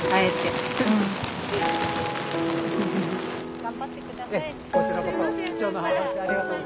頑張って下さい。